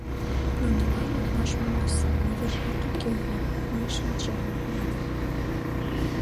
Нунылан утлаш моло семын вержат уке ыле, мый шинчем... — мане.